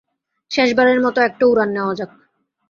শেষবারের মতো একটা উড়ান নেয়া যাক।